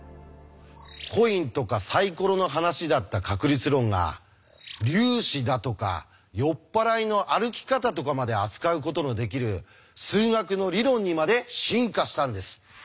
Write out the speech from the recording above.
コインとかサイコロの話だった確率論が粒子だとか酔っ払いの歩き方とかまで扱うことのできる数学の理論にまで進化したんです。